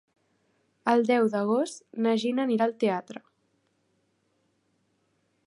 El deu d'agost na Gina anirà al teatre.